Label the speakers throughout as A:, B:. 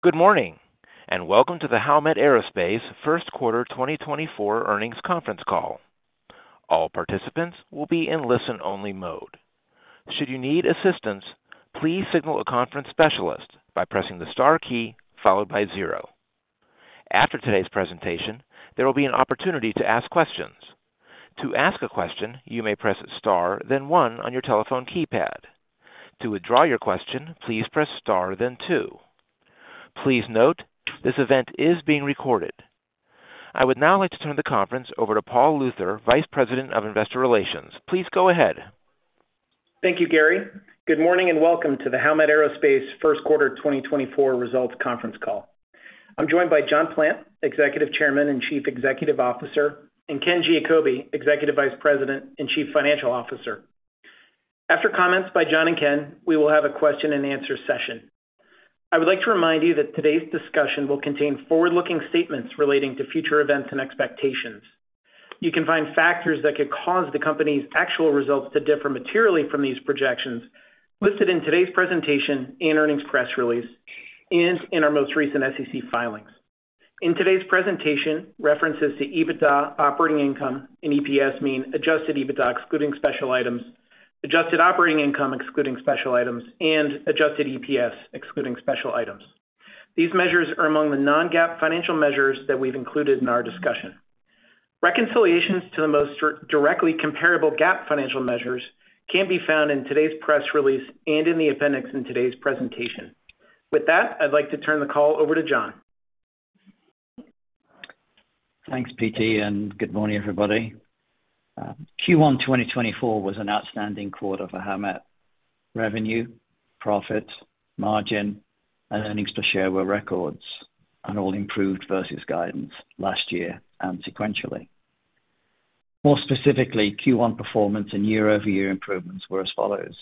A: Good morning, and welcome to the Howmet Aerospace First Quarter 2024 Earnings Conference Call. All participants will be in listen-only mode. Should you need assistance, please signal a conference specialist by pressing the star key followed by zero. After today's presentation, there will be an opportunity to ask questions. To ask a question, you may press star, then one on your telephone keypad. To withdraw your question, please press star, then two. Please note, this event is being recorded. I would now like to turn the conference over to Paul Luther, Vice President of Investor Relations. Please go ahead.
B: Thank you, Gary. Good morning, and welcome to the Howmet Aerospace First Quarter 2024 Results Conference Call. I'm joined by John Plant, Executive Chairman and Chief Executive Officer, and Ken Giacobbe, Executive Vice President and Chief Financial Officer. After comments by John and Ken, we will have a question-and-answer session. I would like to remind you that today's discussion will contain forward-looking statements relating to future events and expectations. You can find factors that could cause the company's actual results to differ materially from these projections listed in today's presentation and earnings press release, and in our most recent SEC filings. In today's presentation, references to EBITDA, operating income, and EPS mean adjusted EBITDA, excluding special items, adjusted operating income, excluding special items, and adjusted EPS, excluding special items. These measures are among the non-GAAP financial measures that we've included in our discussion. Reconciliations to the most directly comparable GAAP financial measures can be found in today's press release and in the appendix in today's presentation. With that, I'd like to turn the call over to John.
C: Thanks, PT, and good morning, everybody. Q1 2024 was an outstanding quarter for Howmet. Revenue, profit, margin, and earnings per share were records and all improved versus guidance last year and sequentially. More specifically, Q1 performance and year-over-year improvements were as follows: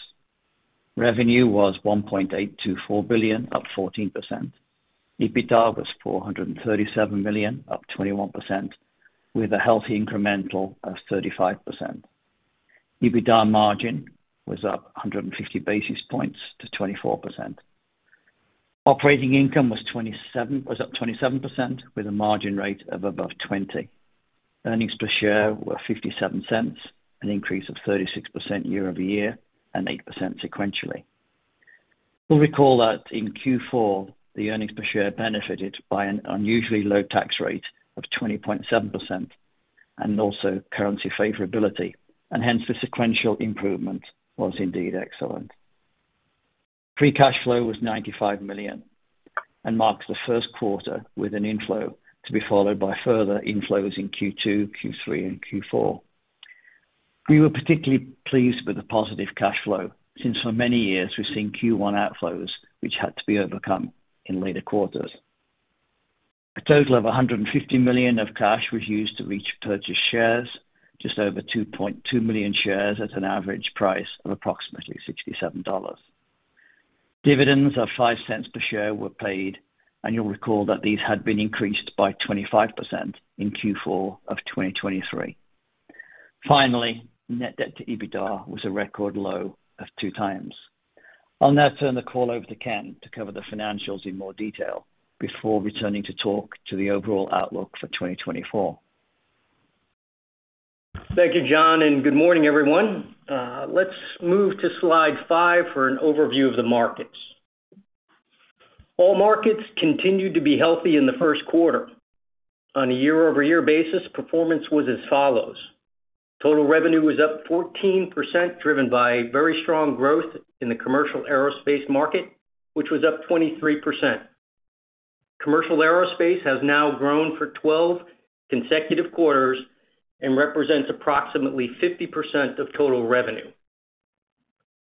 C: Revenue was $1.824 billion, up 14%. EBITDA was $437 million, up 21%, with a healthy incremental of 35%. EBITDA margin was up 150 basis points to 24%. Operating income was up 27%, with a margin rate of above 20%. Earnings per share were $0.57, an increase of 36% year-over-year and 8% sequentially. We'll recall that in Q4, the earnings per share benefited by an unusually low tax rate of 20.7% and also currency favorability, and hence, the sequential improvement was indeed excellent. Free cash flow was $95 million and marks the first quarter with an inflow to be followed by further inflows in Q2, Q3, and Q4. We were particularly pleased with the positive cash flow, since for many years we've seen Q1 outflows, which had to be overcome in later quarters. A total of $150 million of cash was used to repurchase shares, just over 2.2 million shares at an average price of approximately $67. Dividends of $0.05 per share were paid, and you'll recall that these had been increased by 25% in Q4 of 2023. Finally, net debt to EBITDA was a record low of 2x. I'll now turn the call over to Ken to cover the financials in more detail before returning to talk to the overall outlook for 2024.
D: Thank you, John, and good morning, everyone. Let's move to slide 5 for an overview of the markets. All markets continued to be healthy in the first quarter. On a year-over-year basis, performance was as follows: Total revenue was up 14%, driven by very strong growth in the commercial aerospace market, which was up 23%. Commercial aerospace has now grown for 12 consecutive quarters and represents approximately 50% of total revenue.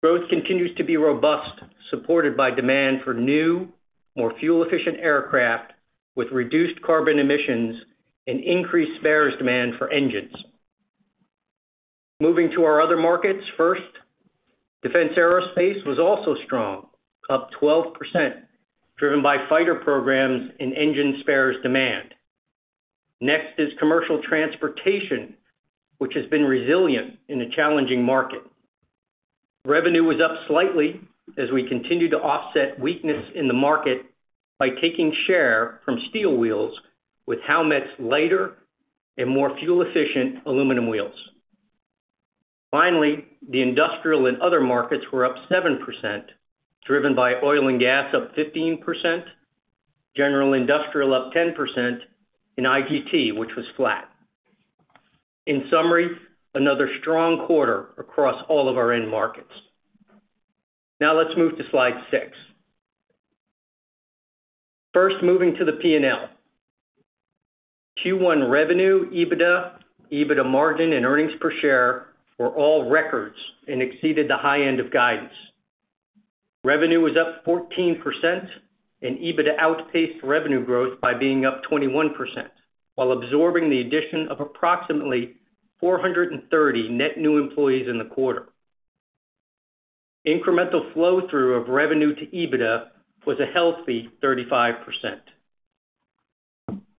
D: Growth continues to be robust, supported by demand for new, more fuel-efficient aircraft with reduced carbon emissions and increased spares demand for engines. Moving to our other markets, first, defense aerospace was also strong, up 12%, driven by fighter programs and engine spares demand. Next is commercial transportation, which has been resilient in a challenging market. Revenue was up slightly as we continued to offset weakness in the market by taking share from steel wheels with Howmet's lighter and more fuel-efficient aluminum wheels. Finally, the industrial and other markets were up 7%, driven by oil and gas, up 15%, general industrial, up 10%, and IGT, which was flat. In summary, another strong quarter across all of our end markets. Now, let's move to slide 6. First, moving to the P&L. Q1 revenue, EBITDA, EBITDA margin, and earnings per share were all records and exceeded the high end of guidance. Revenue was up 14%, and EBITDA outpaced revenue growth by being up 21%, while absorbing the addition of approximately 430 net new employees in the quarter. Incremental flow-through of revenue to EBITDA was a healthy 35%....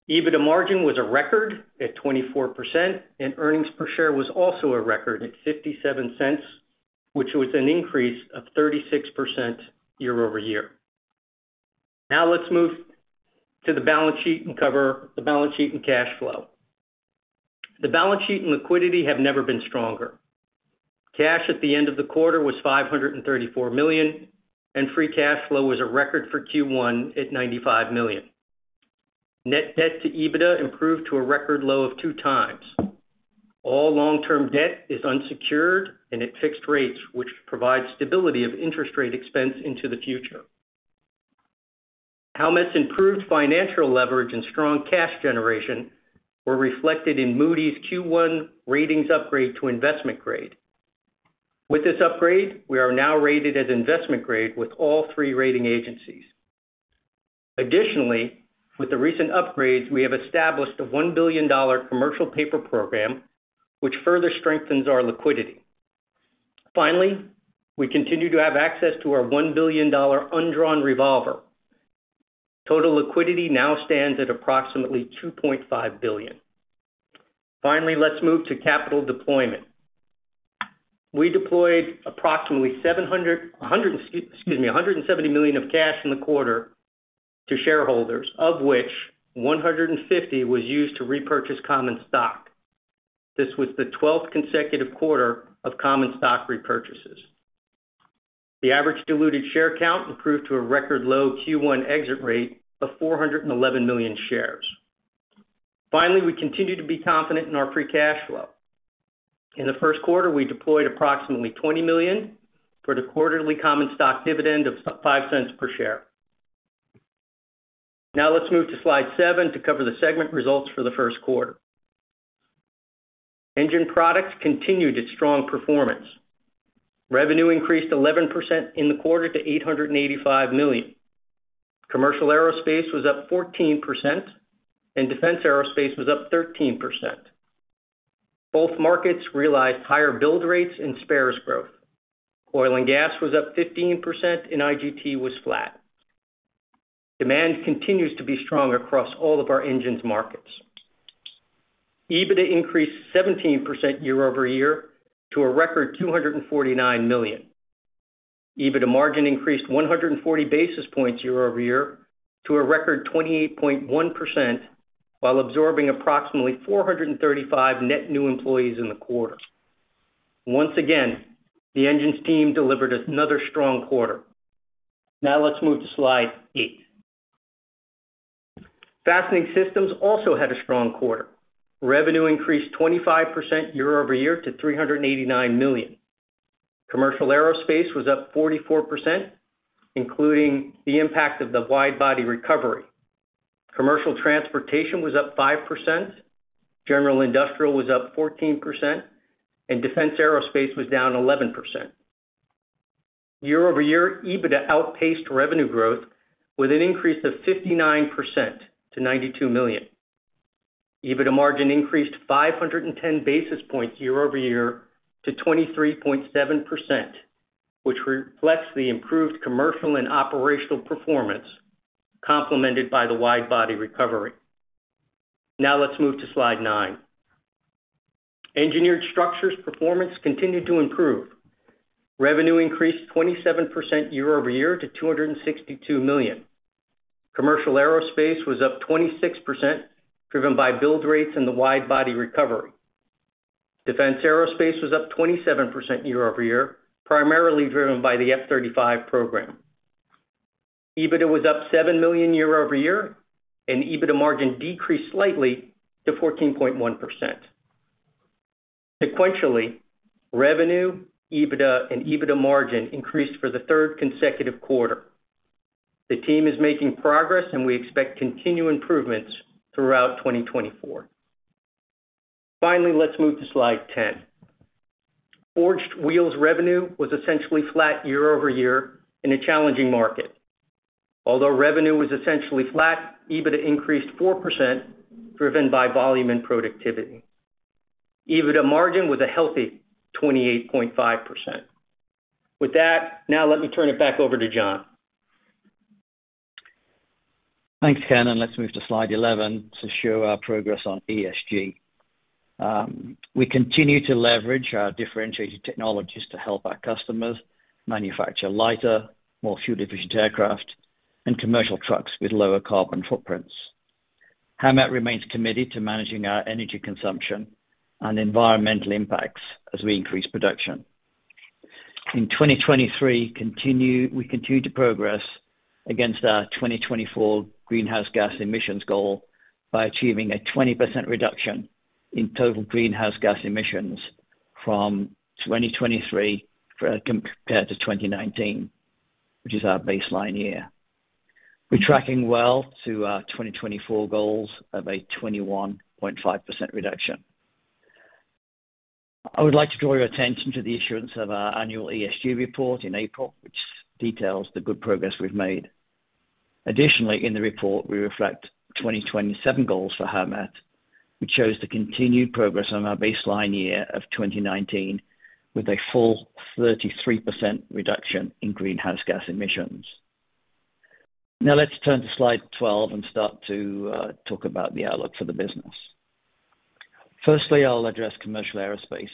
D: EBITDA margin was a record at 24%, and earnings per share was also a record at $0.57, which was an increase of 36% year-over-year. Now let's move to the balance sheet and cover the balance sheet and cash flow. The balance sheet and liquidity have never been stronger. Cash at the end of the quarter was $534 million, and free cash flow was a record for Q1 at $95 million. Net debt to EBITDA improved to a record low of 2x. All long-term debt is unsecured and at fixed rates, which provides stability of interest rate expense into the future. Howmet's improved financial leverage and strong cash generation were reflected in Moody's Q1 ratings upgrade to investment grade. With this upgrade, we are now rated as investment grade with all three rating agencies. Additionally, with the recent upgrades, we have established a $1 billion commercial paper program, which further strengthens our liquidity. Finally, we continue to have access to our $1 billion undrawn revolver. Total liquidity now stands at approximately $2.5 billion. Finally, let's move to capital deployment. We deployed approximately $170 million of cash in the quarter to shareholders, of which $150 was used to repurchase common stock. This was the 12th consecutive quarter of common stock repurchases. The average diluted share count improved to a record low Q1 exit rate of 411 million shares. Finally, we continue to be confident in our free cash flow. In the first quarter, we deployed approximately $20 million for the quarterly common stock dividend of $0.05 per share. Now let's move to slide seven to cover the segment results for the first quarter. Engine products continued its strong performance. Revenue increased 11% in the quarter to $885 million. Commercial aerospace was up 14%, and defense aerospace was up 13%. Both markets realized higher build rates and spares growth. Oil and gas was up 15%, and IGT was flat. Demand continues to be strong across all of our engines markets. EBITDA increased 17% year-over-year to a record $249 million. EBITDA margin increased 140 basis points year-over-year to a record 28.1%, while absorbing approximately 435 net new employees in the quarter. Once again, the engines team delivered us another strong quarter. Now let's move to slide 8. Fastening Systems also had a strong quarter. Revenue increased 25% year-over-year to $389 million. Commercial aerospace was up 44%, including the impact of the wide body recovery. Commercial transportation was up 5%, general industrial was up 14%, and defense aerospace was down 11%. Year-over-year, EBITDA outpaced revenue growth with an increase of 59% to $92 million. EBITDA margin increased 510 basis points year-over-year to 23.7%, which reflects the improved commercial and operational performance, complemented by the wide body recovery. Now let's move to slide 9. Engineered Structures performance continued to improve. Revenue increased 27% year-over-year to $262 million. Commercial aerospace was up 26%, driven by build rates and the wide body recovery. Defense aerospace was up 27% year-over-year, primarily driven by the F-35 program. EBITDA was up $7 million year-over-year, and EBITDA margin decreased slightly to 14.1%. Sequentially, revenue, EBITDA, and EBITDA margin increased for the third consecutive quarter. The team is making progress, and we expect continued improvements throughout 2024. Finally, let's move to slide 10. Forged wheels revenue was essentially flat year-over-year in a challenging market. Although revenue was essentially flat, EBITDA increased 4%, driven by volume and productivity. EBITDA margin was a healthy 28.5%. With that, now let me turn it back over to John.
C: Thanks, Ken, and let's move to slide 11 to show our progress on ESG. We continue to leverage our differentiated technologies to help our customers manufacture lighter, more fuel-efficient aircraft and commercial trucks with lower carbon footprints. Howmet remains committed to managing our energy consumption and environmental impacts as we increase production. In 2023, we continued to progress against our 2024 greenhouse gas emissions goal by achieving a 20% reduction in total greenhouse gas emissions from 2023 compared to 2019, which is our baseline year. We're tracking well to our 2024 goals of a 21.5% reduction. I would like to draw your attention to the issuance of our annual ESG report in April, which details the good progress we've made. Additionally, in the report, we reflect 2027 goals for Howmet. We chose to continue progress on our baseline year of 2019, with a full 33% reduction in greenhouse gas emissions. Now let's turn to slide 12 and start to talk about the outlook for the business. Firstly, I'll address commercial aerospace,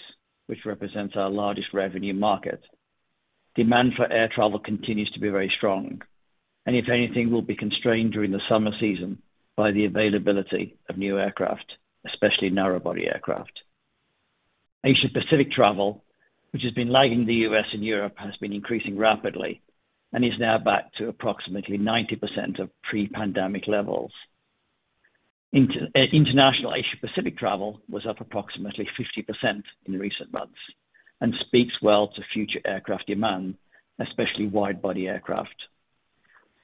C: which represents our largest revenue market. Demand for air travel continues to be very strong, and if anything, will be constrained during the summer season by the availability of new aircraft, especially narrow body aircraft. Asia Pacific travel, which has been lagging the U.S. and Europe, has been increasing rapidly and is now back to approximately 90% of pre-pandemic levels. International Asia Pacific travel was up approximately 50% in recent months and speaks well to future aircraft demand, especially wide body aircraft.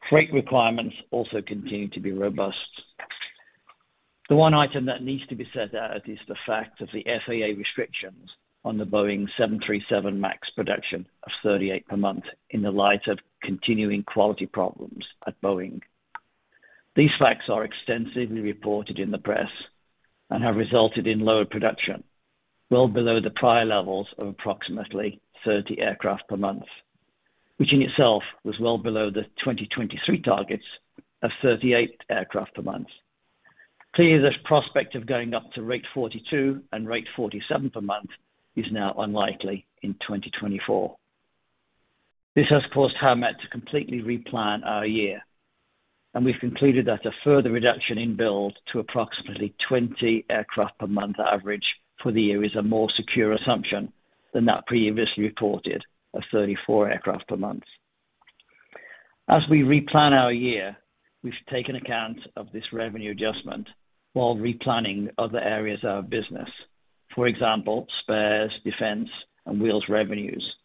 C: Freight requirements also continue to be robust. The one item that needs to be set out is the fact of the FAA restrictions on the Boeing 737 MAX production of 38 per month in the light of continuing quality problems at Boeing. These facts are extensively reported in the press and have resulted in lower production, well below the prior levels of approximately 30 aircraft per month, which in itself was well below the 2023 targets of 38 aircraft per month. Clearly, this prospect of going up to rate 42 and rate 47 per month is now unlikely in 2024. This has caused Howmet to completely replan our year, and we've concluded that a further reduction in build to approximately 20 aircraft per month average for the year is a more secure assumption than that previously reported of 34 aircraft per month. As we replan our year, we've taken account of this revenue adjustment while replanning other areas of our business, for example, spares, defense, and wheels revenues.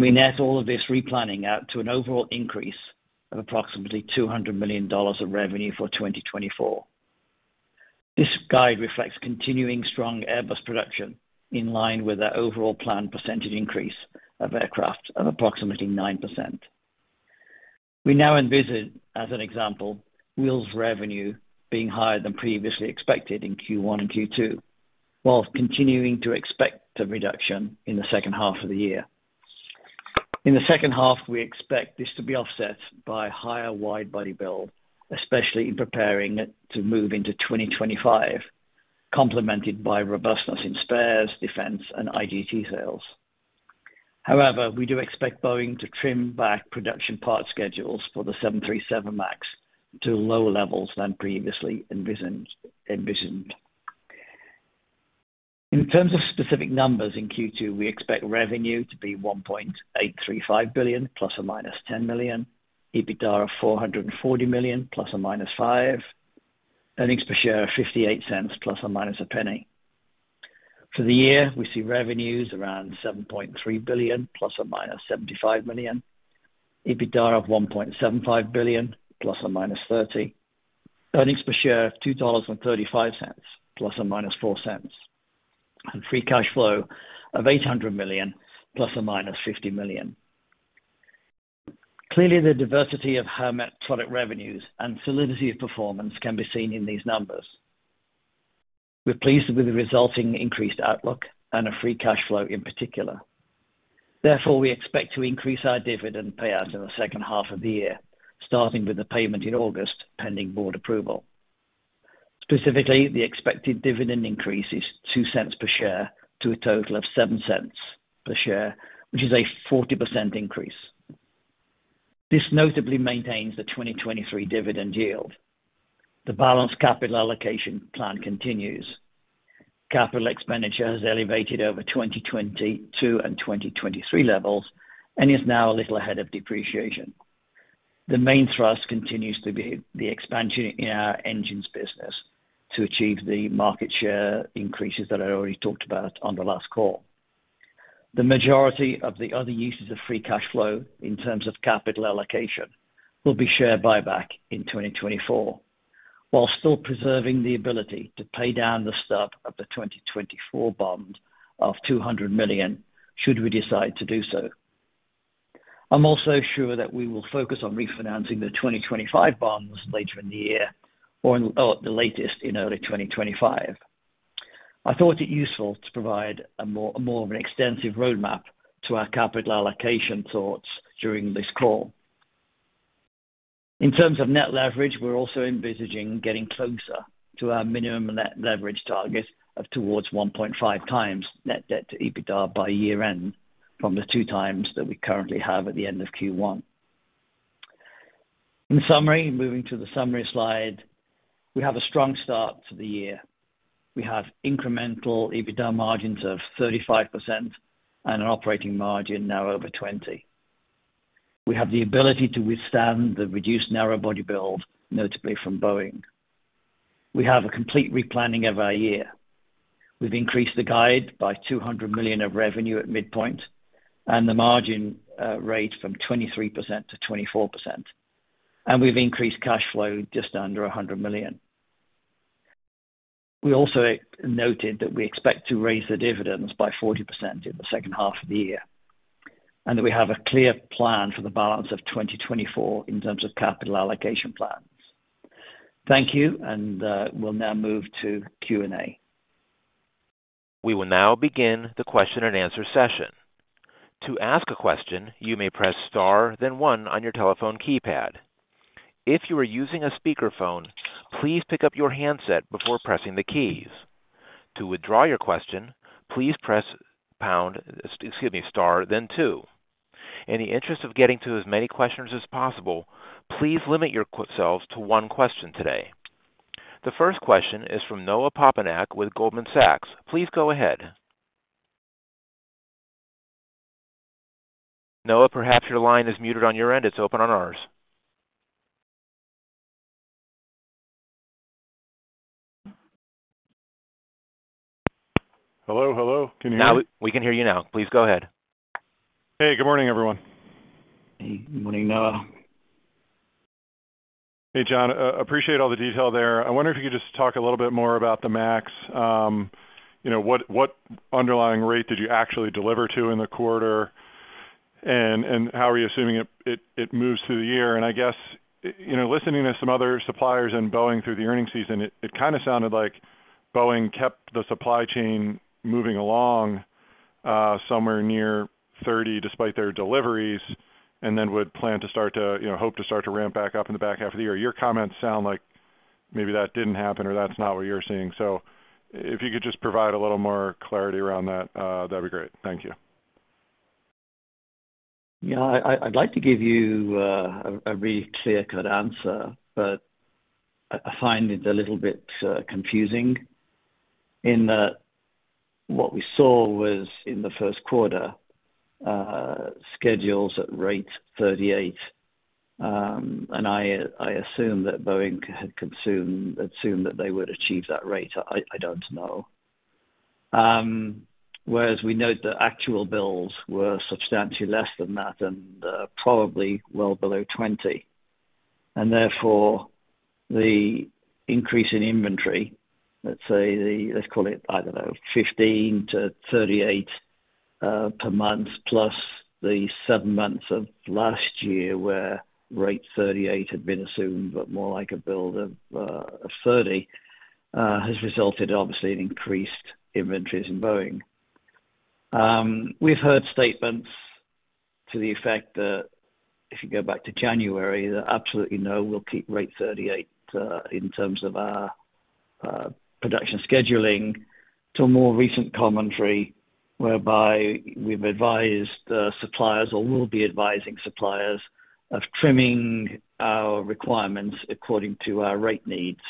C: We net all of this replanning out to an overall increase of approximately $200 million of revenue for 2024. This guide reflects continuing strong Airbus production in line with our overall planned percentage increase of aircraft of approximately 9%. We now envision, as an example, wheels revenue being higher than previously expected in Q1 and Q2, while continuing to expect a reduction in the second half of the year. In the second half, we expect this to be offset by higher wide body build, especially in preparing it to move into 2025, complemented by robustness in spares, defense, and IGT sales. However, we do expect Boeing to trim back production part schedules for the 737 MAX to lower levels than previously envisioned. In terms of specific numbers, in Q2, we expect revenue to be $1.835 billion ±$10 million, EBITDA of $440 million ±$5 million, earnings per share of $0.58 ±$0.01. For the year, we see revenues around $7.3 billion ±$75 million, EBITDA of $1.75 billion ±$30 million, earnings per share of $2.35 ±$0.04, and free cash flow of $800 million ±$50 million. Clearly, the diversity of Howmet product revenues and solidity of performance can be seen in these numbers. We're pleased with the resulting increased outlook and a free cash flow in particular. Therefore, we expect to increase our dividend payouts in the second half of the year, starting with the payment in August, pending board approval. Specifically, the expected dividend increase is $0.02 per share to a total of $0.07 per share, which is a 40% increase. This notably maintains the 2023 dividend yield. The balanced capital allocation plan continues. Capital expenditure has elevated over 2022 and 2023 levels and is now a little ahead of depreciation. The main thrust continues to be the expansion in our engines business to achieve the market share increases that I already talked about on the last call. The majority of the other uses of free cash flow in terms of capital allocation will be share buyback in 2024, while still preserving the ability to pay down the stub of the 2024 bond of $200 million should we decide to do so. I'm also sure that we will focus on refinancing the 2025 bonds later in the year or in, or the latest in early 2025. I thought it useful to provide a more, more of an extensive roadmap to our capital allocation thoughts during this call. In terms of net leverage, we're also envisaging getting closer to our minimum net leverage target of towards 1.5x net debt to EBITDA by year-end from the 2x that we currently have at the end of Q1. In summary, moving to the summary slide, we have a strong start to the year. We have incremental EBITDA margins of 35% and an operating margin now over 20. We have the ability to withstand the reduced narrow body build, notably from Boeing. We have a complete replanning of our year. We've increased the guide by $200 million of revenue at midpoint and the margin rate from 23% to 24%, and we've increased cash flow just under $100 million. We also noted that we expect to raise the dividends by 40% in the second half of the year and that we have a clear plan for the balance of 2024 in terms of capital allocation plans. Thank you, and we'll now move to Q&A.
A: We will now begin the question and answer session. To ask a question, you may press star, then one on your telephone keypad. If you are using a speakerphone, please pick up your handset before pressing the keys. To withdraw your question, please press pound, excuse me, star, then two. In the interest of getting to as many questions as possible, please limit yourselves to one question today. The first question is from Noah Poponak with Goldman Sachs. Please go ahead. Noah, perhaps your line is muted on your end. It's open on ours.
E: Hello, hello. Can you hear me?
A: Now, we can hear you now. Please go ahead.
E: Hey, good morning, everyone.
C: Hey, good morning, Noah.
E: Hey, John, appreciate all the detail there. I wonder if you could just talk a little bit more about the MAX. You know, what underlying rate did you actually deliver to in the quarter? And how are you assuming it moves through the year? And I guess, you know, listening to some other suppliers and Boeing through the earnings season, it kind of sounded like Boeing kept the supply chain moving along somewhere near 30, despite their deliveries, and then would plan to start to, you know, hope to start to ramp back up in the back half of the year. Your comments sound like maybe that didn't happen or that's not what you're seeing. So if you could just provide a little more clarity around that, that'd be great. Thank you.
C: Yeah, I'd like to give you a really clear-cut answer, but I find it a little bit confusing in that what we saw was in the first quarter, schedules at rate 38, and I assume that Boeing had assumed that they would achieve that rate. I don't know. Whereas we note the actual bills were substantially less than that and probably well below 20, and therefore, the increase in inventory, let's say, the... Let's call it, I don't know, 15-38 per month, plus the seven months of last year, where rate 38 had been assumed, but more like a build of 30, has resulted obviously in increased inventories in Boeing. We've heard statements to the effect that if you go back to January, that absolutely no, we'll keep rate 38 in terms of our production scheduling, to a more recent commentary, whereby we've advised the suppliers or will be advising suppliers of trimming our requirements according to our rate needs.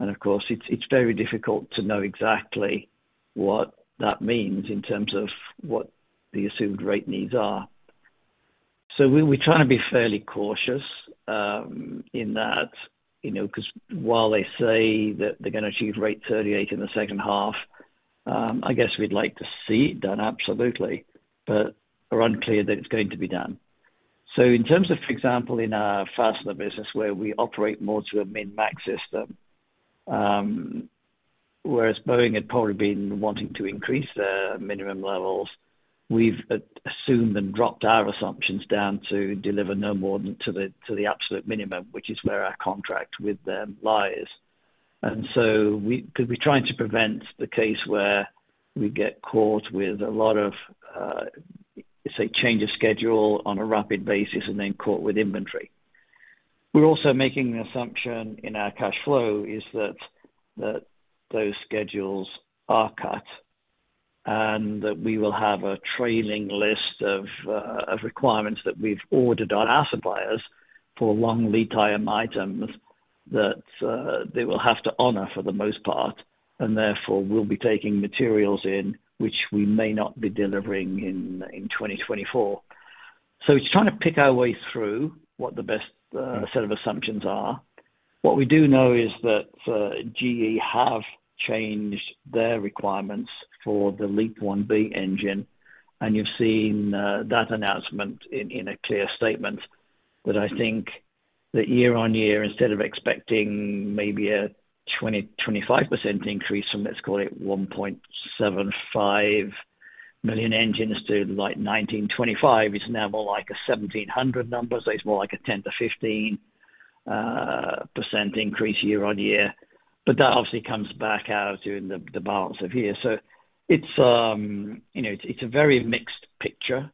C: And of course, it's very difficult to know exactly what that means in terms of what the assumed rate needs are. So we're trying to be fairly cautious in that, you know, because while they say that they're gonna achieve rate 38 in the second half, I guess we'd like to see it done, absolutely, but are unclear that it's going to be done. So in terms of, for example, in our fastener business, where we operate more to a min-max system, whereas Boeing had probably been wanting to increase their minimum levels, we've assumed and dropped our assumptions down to deliver no more than to the absolute minimum, which is where our contract with them lies. And so we, because we're trying to prevent the case where we get caught with a lot of, say, change of schedule on a rapid basis and then caught with inventory. We're also making the assumption in our cash flow is that, that those schedules are cut, and that we will have a trailing list of, of requirements that we've ordered on our suppliers for long lead time items that, they will have to honor for the most part, and therefore we'll be taking materials in which we may not be delivering in, in 2024. So it's trying to pick our way through what the best, set of assumptions are. What we do know is that, GE have changed their requirements for the LEAP-1B engine, and you've seen, that announcement in, in a clear statement that I think that year-on-year, instead of expecting maybe a 20%-25% increase from, let's call it 1.75 million engines to like 1,925, it's now more like a 1,700 number. So it's more like a 10%-15% increase year-on-year, but that obviously comes back out during the balance of year. So it's, you know, it's a very mixed picture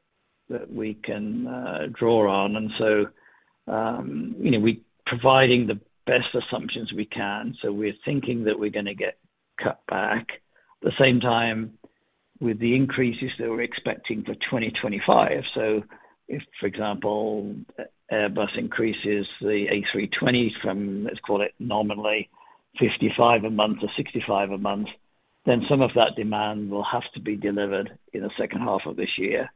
C: that we can draw on, and so, you know, we providing the best assumptions we can, so we're thinking that we're gonna get cut back. At the same time, with the increases that we're expecting for 2025, so if, for example, Airbus increases the A320 from, let's call it nominally 55 a month or 65 a month, then some of that demand will have to be delivered in the second half of this year.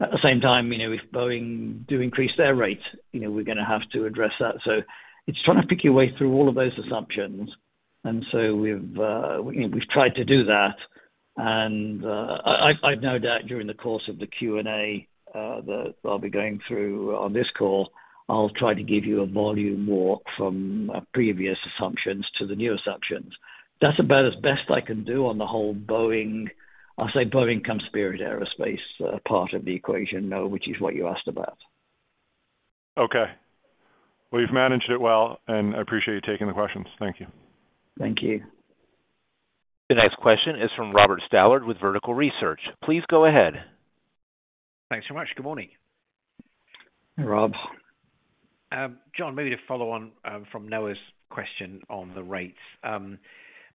C: At the same time, you know, if Boeing do increase their rates, you know, we're gonna have to address that. So it's trying to pick your way through all of those assumptions. And so we've, you know, we've tried to do that, and, I've no doubt during the course of the Q&A, that I'll be going through on this call, I'll try to give you a volume walk from our previous assumptions to the new assumptions. That's about as best I can do on the whole Boeing... I'll say Boeing and Spirit AeroSystems, part of the equation now, which is what you asked about....
E: Okay. Well, you've managed it well, and I appreciate you taking the questions. Thank you.
C: Thank you.
A: The next question is from Robert Stallard with Vertical Research. Please go ahead.
F: Thanks so much. Good morning.
C: Rob.
F: John, maybe to follow on from Noah's question on the rates.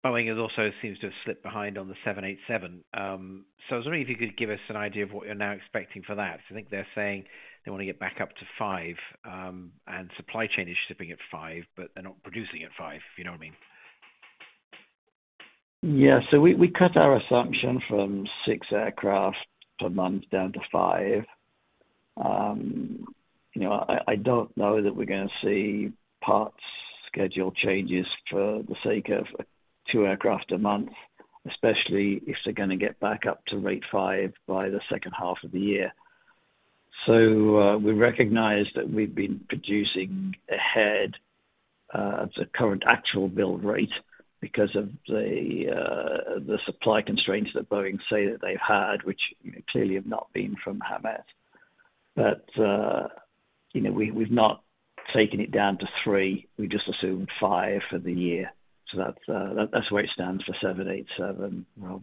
F: Boeing also seems to have slipped behind on the 787. So I was wondering if you could give us an idea of what you're now expecting for that. I think they're saying they want to get back up to five, and supply chain is shipping at five, but they're not producing at five, if you know what I mean.
C: Yeah. So we, we cut our assumption from six aircraft per month down to five. You know, I, I don't know that we're gonna see parts schedule changes for the sake of two aircraft a month, especially if they're gonna get back up to rate 5 by the second half of the year. So, we recognize that we've been producing ahead, the current actual build rate because of the, the supply constraints that Boeing say that they've had, which clearly have not been from Howmet. But, you know, we've, we've not taken it down to three, we just assumed five for the year. So that's, that's where it stands for 787, Rob.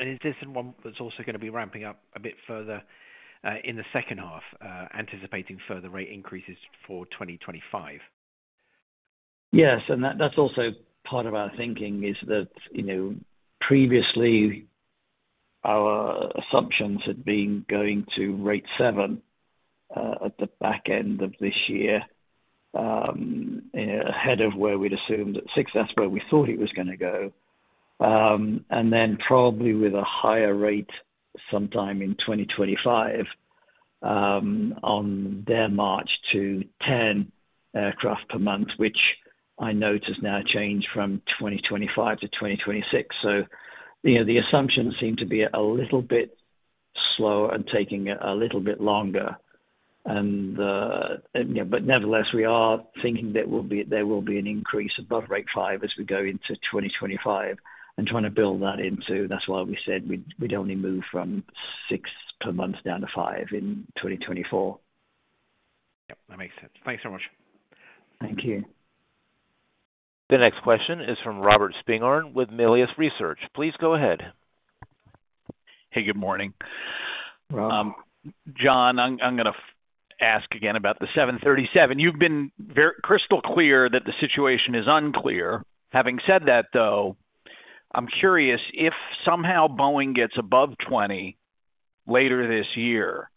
F: Is this one that's also gonna be ramping up a bit further, in the second half, anticipating further rate increases for 2025?
C: Yes, and that, that's also part of our thinking is that, you know, previously our assumptions had been going rate 7 at the back end of this year, ahead of where we'd assumed at six. That's where we thought it was gonna go. And then probably with a higher rate sometime in 2025, on their march to 10 aircraft per month, which I note has now changed from 2025 to 2026. So, you know, the assumptions seem to be a little bit slower and taking it a little bit longer. But nevertheless, we are thinking there will be, there will be an increase above rate 5 as we go into 2025, and trying to build that into. That's why we said we'd only move from six per month down to five in 2024.
F: Yep, that makes sense. Thanks so much.
C: Thank you.
A: The next question is from Robert Spingarn with Melius Research. Please go ahead.
G: Hey, good morning.
C: Rob.
G: John, I'm gonna ask again about the 737. You've been very crystal clear that the situation is unclear. Having said that, though, I'm curious if somehow Boeing gets above 20 later this year,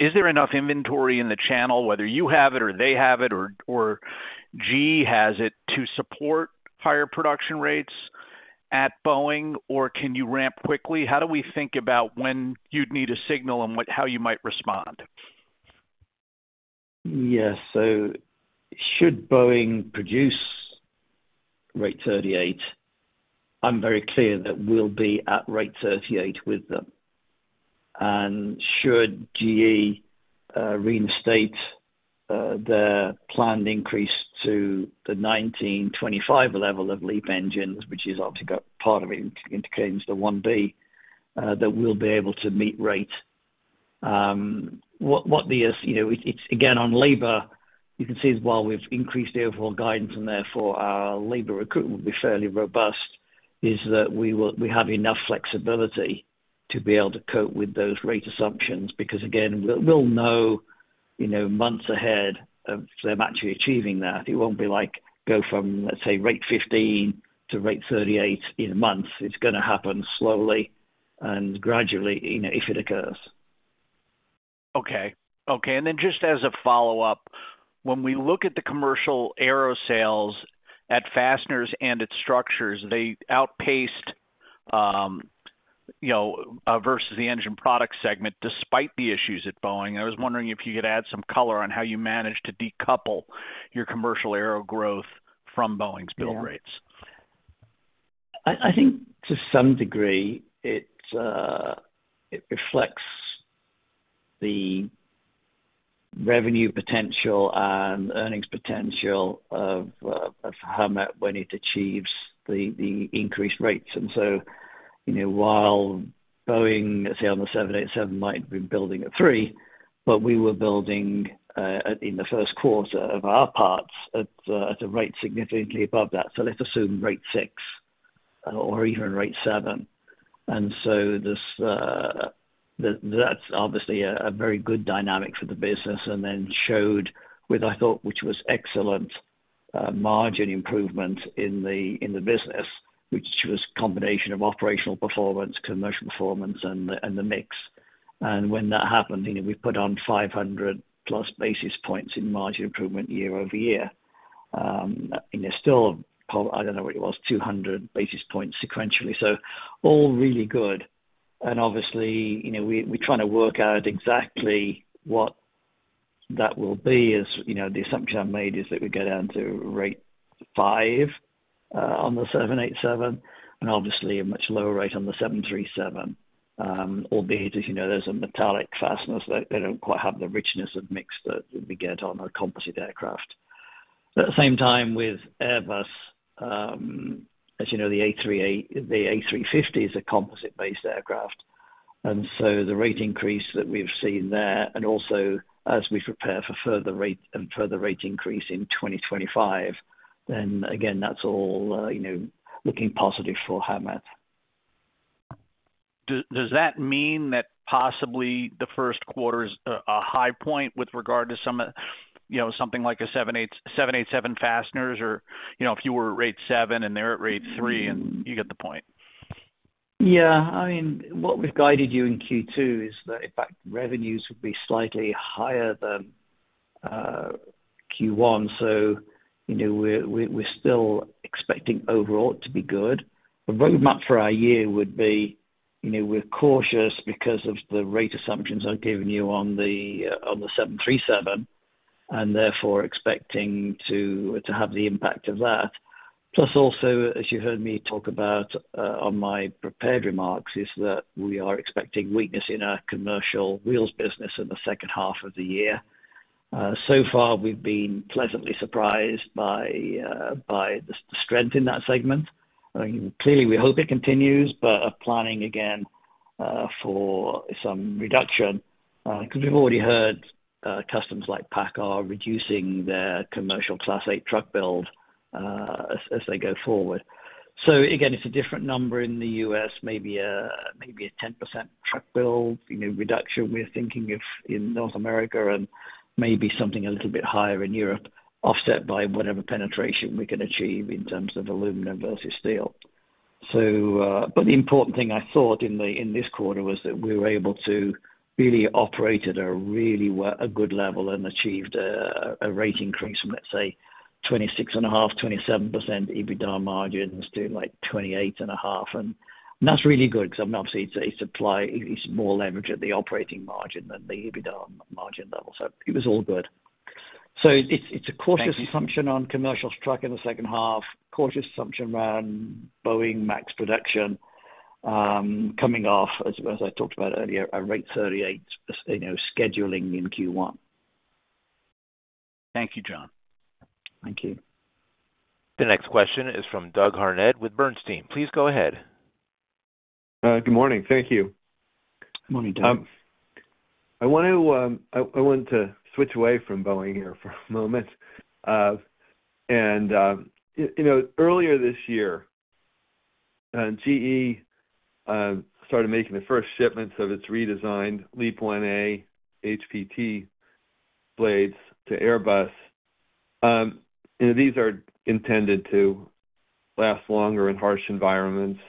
G: is there enough inventory in the channel, whether you have it or they have it or GE has it, to support higher production rates at Boeing, or can you ramp quickly? How do we think about when you'd need a signal and what how you might respond? Yes. So should Boeing produce rate 38, I'm very clear that we'll be at rate 38 with them. And should GE reinstate the planned increase to the 2025 level of LEAP engines, which is obviously part of it, indicates the 1B that we'll be able to meet rate. As you know, it's again on labor. You can see is while we've increased the overall guidance and therefore our labor recruitment will be fairly robust, is that we will—we have enough flexibility to be able to cope with those rate assumptions, because again, we'll know, you know, months ahead of if they're actually achieving that. It won't be like, go from, let's say, rate 15 to rate 38 in a month. It's gonna happen slowly and gradually, you know, if it occurs.
C: Okay. Okay, and then just as a follow-up, when we look at the commercial aero sales at fasteners and its structures, they outpaced, you know, versus the engine product segment, despite the issues at Boeing. I was wondering if you could add some color on how you managed to decouple your commercial aero growth from Boeing's build rates. I think to some degree it reflects the revenue potential and earnings potential of Howmet when it achieves the increased rates. And so, you know, while Boeing, let's say on the 787, might have been building at three, but we were building in the first quarter of our parts at a rate significantly above that. So let's rate 6 or even rate 7. And so this, that, that's obviously a very good dynamic for the business, and then showed with, I thought, which was excellent, margin improvement in the business, which was a combination of operational performance, commercial performance and the mix. And when that happened, you know, we put on 500+ basis points in margin improvement year-over-year. And there's still, I don't know what it was, 200 basis points sequentially. So all really good. And obviously, you know, we, we're trying to work out exactly what that will be, as you know, the assumption I made is that we go down to rate 5, on the 787, and obviously a much lower rate on the 737. Albeit, as you know, there's a metallic fasteners, they, they don't quite have the richness of mix that we get on a composite aircraft... At the same time, with Airbus, as you know, the A380, the A350 is a composite-based aircraft, and so the rate increase that we've seen there, and also as we prepare for further rate and further rate increase in 2025, then again, that's all, you know, looking positive for Howmet.
G: Does that mean that possibly the first quarter is a high point with regard to some of, you know, something like a 787 fasteners or, you know, if you were at rate 7 and they're at rate 3, and you get the point?
C: Yeah. I mean, what we've guided you in Q2 is that in fact, revenues will be slightly higher than Q1. So, you know, we're still expecting overall to be good. The roadmap for our year would be, you know, we're cautious because of the rate assumptions I've given you on the 737, and therefore expecting to have the impact of that. Plus, also, as you heard me talk about on my prepared remarks, is that we are expecting weakness in our commercial wheels business in the second half of the year. So far, we've been pleasantly surprised by the strength in that segment. I mean, clearly, we hope it continues, but are planning again for some reduction because we've already heard customers like PACCAR reducing their commercial Class 8 truck build as they go forward. So again, it's a different number in the U.S., maybe a 10% truck build, you know, reduction we're thinking of in North America, and maybe something a little bit higher in Europe, offset by whatever penetration we can achieve in terms of aluminum versus steel. So, but the important thing I thought in the, in this quarter was that we were able to really operate at a really a good level and achieved a, a rate increase from, let's say, 26.5%-27% EBITDA margins to like 28.5%, and that's really good because, I mean, obviously it's a supply, it's more leverage at the operating margin than the EBITDA margin level. So it was all good. So it's, it's a cautious-
G: Thank you.
C: Assumption on commercial truck in the second half, cautious assumption around Boeing MAX production, coming off as, as I talked about earlier, at rate 38, as, you know, scheduling in Q1.
G: Thank you, John.
C: Thank you.
A: The next question is from Doug Harned with Bernstein. Please go ahead.
H: Good morning. Thank you.
C: Good morning, Doug.
H: I want to switch away from Boeing here for a moment. And you know, earlier this year, GE started making the first shipments of its redesigned LEAP-1A HPT blades to Airbus. And these are intended to last longer in harsh environments,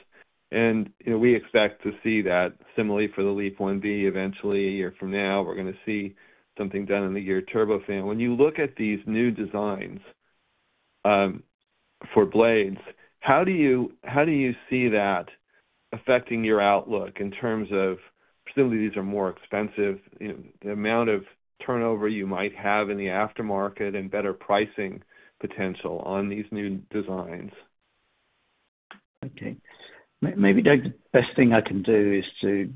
H: and you know, we expect to see that similarly for the LEAP-1B eventually. A year from now, we're gonna see something done in the GE turbofan. When you look at these new designs for blades, how do you see that affecting your outlook in terms of facilities are more expensive, you know, the amount of turnover you might have in the aftermarket and better pricing potential on these new designs?
C: Okay. Maybe, Doug, the best thing I can do is to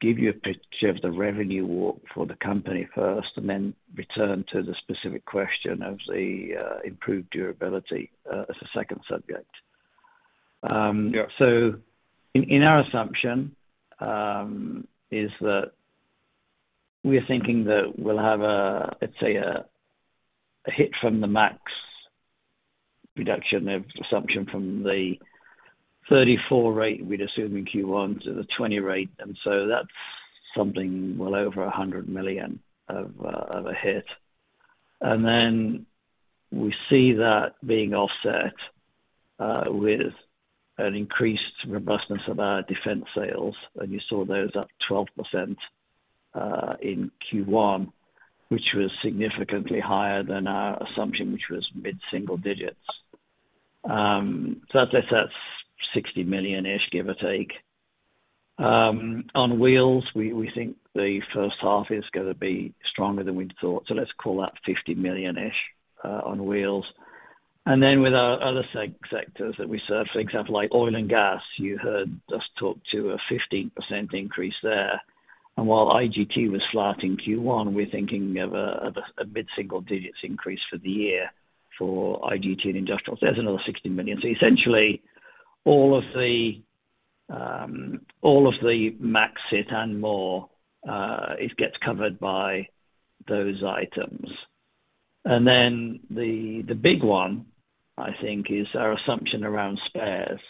C: give you a picture of the revenue walk for the company first, and then return to the specific question of the improved durability as a second subject.
H: Yep.
C: So in our assumption is that we're thinking that we'll have a hit from the max reduction of assumption from the 34 rate we'd assume in Q1 to the 20 rate, and so that's something well over $100 million of a hit. And then we see that being offset with an increased robustness of our defense sales, and you saw those up 12% in Q1, which was significantly higher than our assumption, which was mid-single digits. So that's $60 million-ish, give or take. On wheels, we think the first half is gonna be stronger than we'd thought, so let's call that $50 million-ish on wheels. And then with our other segments that we serve, for example, like oil and gas, you heard us talk to a 15% increase there. While IGT was flat in Q1, we're thinking of a mid-single digits increase for the year for IGT and Industrial. There's another $60 million. So essentially, all of the, all of the max hit and more, it gets covered by those items. And then the big one, I think, is our assumption around spares,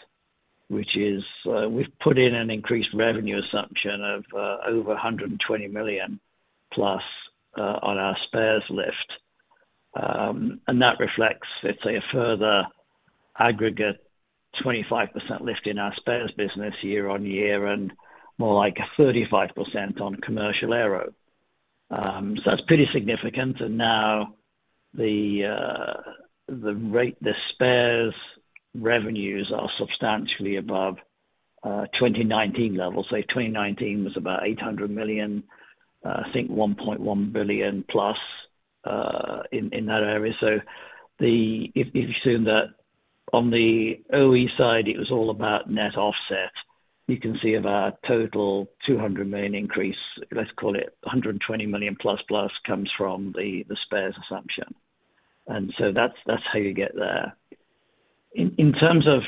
C: which is, we've put in an increased revenue assumption of, over $120 million plus, on our spares lift. And that reflects, let's say, a further aggregate 25% lift in our spares business year-on-year, and more like 35% on commercial aero. So that's pretty significant, and now the rate, the spares revenues are substantially above, 2019 levels. Say 2019 was about $800 million. I think $1.1 billion+ in that area. So if you assume that. On the OE side, it was all about net offset. You can see of our total $200 million increase, let's call it $120 million+, plus comes from the spares assumption. And so that's how you get there. In terms of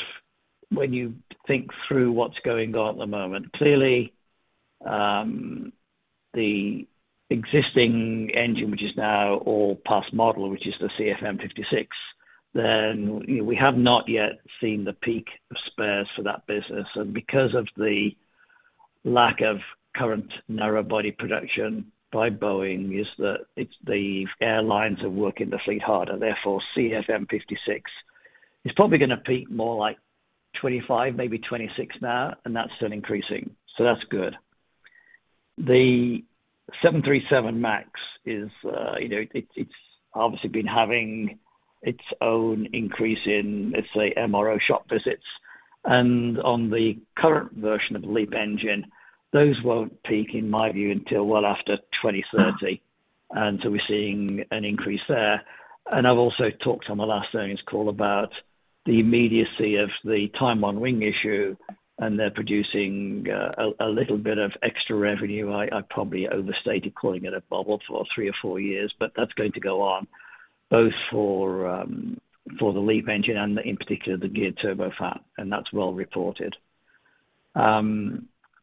C: when you think through what's going on at the moment, clearly, the existing engine, which is now all past model, which is the CFM56, then, you know, we have not yet seen the peak of spares for that business. Because of the lack of current narrow body production by Boeing, is that it's the airlines are working the fleet harder, therefore, CFM56 is probably gonna peak more like 25, maybe 26 now, and that's still increasing. So that's good. The 737 MAX is, you know, it, it's obviously been having its own increase in, let's say, MRO shop visits. And on the current version of the LEAP engine, those won't peak, in my view, until well after 2030, and so we're seeing an increase there. And I've also talked on the last earnings call about the immediacy of the time on wing issue, and they're producing a little bit of extra revenue. I probably overstated calling it a bubble for three or four years, but that's going to go on both for the LEAP engine and in particular the Geared Turbofan, and that's well reported.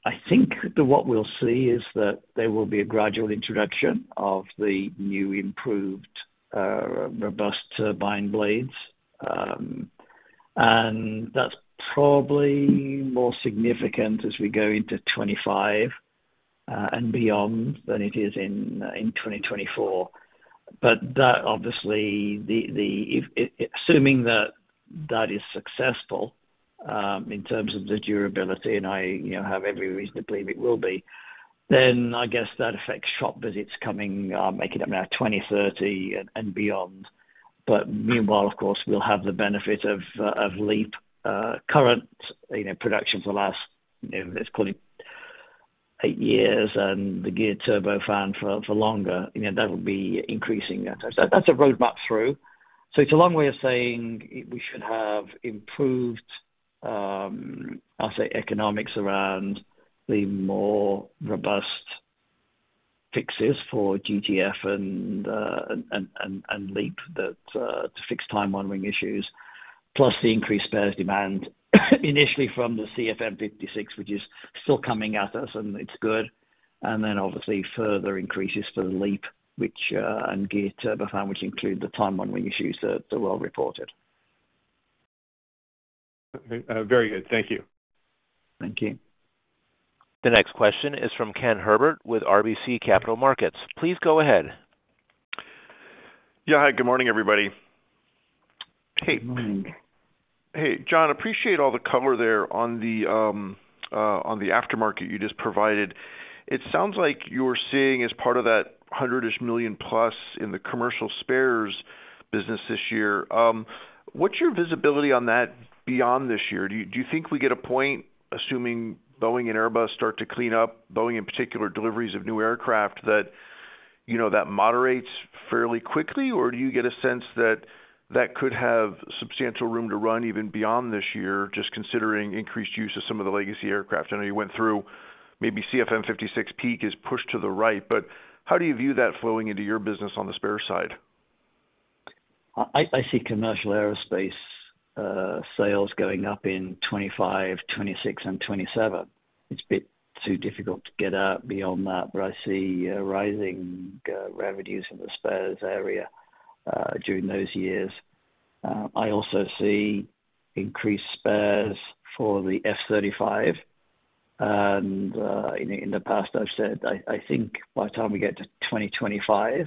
C: I think that what we'll see is that there will be a gradual introduction of the new, improved robust turbine blades. And that's probably more significant as we go into 25 and beyond, than it is in 2024. But that obviously assuming that that is successful in terms of the durability, and I you know have every reason to believe it will be, then I guess that affects shop visits coming make it about 2030 and beyond. But meanwhile, of course, we'll have the benefit of LEAP current, you know, production for the last, you know, let's call it eight years, and the Geared Turbofan for longer. You know, that will be increasing that. That's a roadmap through. So it's a long way of saying we should have improved, I'll say, economics around the more robust fixes for GTF and LEAP that to fix time on wing issues, plus the increased spares demand initially from the CFM56, which is still coming at us, and it's good. And then obviously further increases for the LEAP, which and Geared Turbofan, which include the time on wing issues that were reported.
H: Very good. Thank you.
C: Thank you.
A: The next question is from Ken Herbert with RBC Capital Markets. Please go ahead.
I: Yeah. Hi, good morning, everybody.
C: Good morning.
I: Hey, John, appreciate all the cover there on the aftermarket you just provided. It sounds like you're seeing, as part of that $100-ish million plus in the commercial spares business this year, what's your visibility on that beyond this year? Do you think we get a point, assuming Boeing and Airbus start to clean up, Boeing in particular, deliveries of new aircraft that, you know, that moderates fairly quickly? Or do you get a sense that that could have substantial room to run even beyond this year, just considering increased use of some of the legacy aircraft? I know you went through maybe CFM56 peak is pushed to the right, but how do you view that flowing into your business on the spare side?
C: I see commercial aerospace sales going up in 2025, 2026 and 2027. It's a bit too difficult to get out beyond that, but I see rising revenues in the spares area during those years. I also see increased spares for the F-35, and you know, in the past I've said, I think by the time we get to 2025,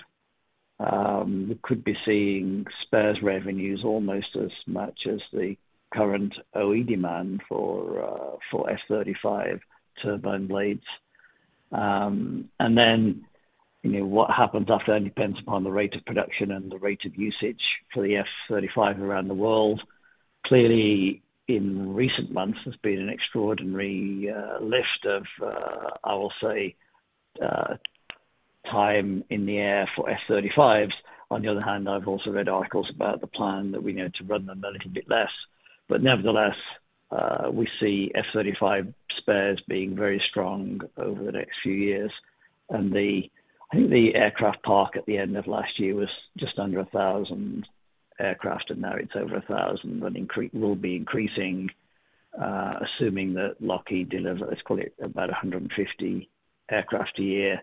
C: we could be seeing spares revenues almost as much as the current OE demand for F-35 turbine blades. And then, you know, what happens after depends upon the rate of production and the rate of usage for the F-35 around the world. Clearly, in recent months, there's been an extraordinary list of, I will say, time in the air for F-35s. On the other hand, I've also read articles about the plan that we need to run them a little bit less. But nevertheless, we see F-35 spares being very strong over the next few years. And I think the aircraft park at the end of last year was just under 1,000 aircraft, and now it's over 1,000, and will be increasing, assuming that Lockheed delivers, let's call it, about 150 aircraft a year,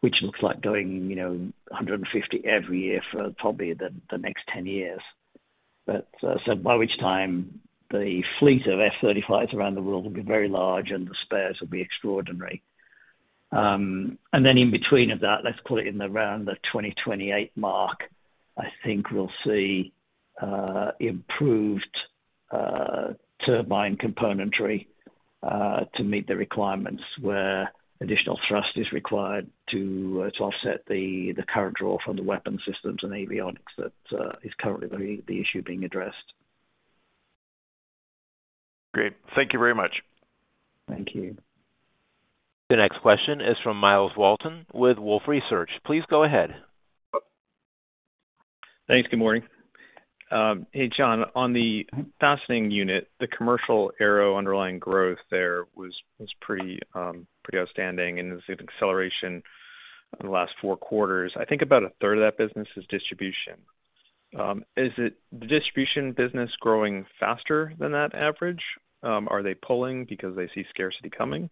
C: which looks like going, you know, 150 every year for probably the, the next 10 years. But, so by which time the fleet of F-35s around the world will be very large, and the spares will be extraordinary. And then in between of that, let's call it in around the 2028 mark, I think we'll see improved turbine componentry to meet the requirements, where additional thrust is required to offset the current draw from the weapons systems and avionics that is currently the issue being addressed.
I: Great. Thank you very much.
C: Thank you.
A: The next question is from Myles Walton with Wolfe Research. Please go ahead.
J: Thanks. Good morning. Hey, John, on the fastening unit, the commercial aero underlying growth there was pretty outstanding, and we've seen acceleration in the last four quarters. I think about a third of that business is distribution. Is it the distribution business growing faster than that average? Are they pulling because they see scarcity coming?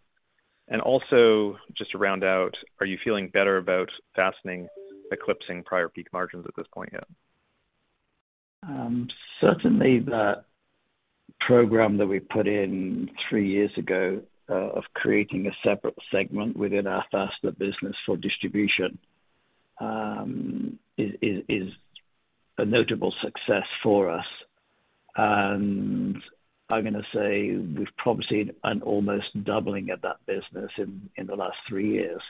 J: And also, just to round out, are you feeling better about fastening, eclipsing prior peak margins at this point yet?
C: Certainly the program that we put in three years ago of creating a separate segment within our fastener business for distribution is a notable success for us. I'm gonna say we've probably seen an almost doubling of that business in the last three years.